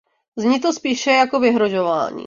Zní to spíše jako vyhrožování.